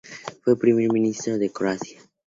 Fue Primer Ministro de Croacia.